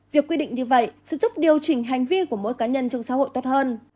việc quy định như vậy sẽ giúp điều chỉnh hành vi của mỗi cá nhân trong xã hội tốt hơn